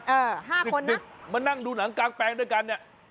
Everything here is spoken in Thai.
เออ๕คนน่ะติดมานั่งดูหนังกลางแปลงด้วยกันเนี่ย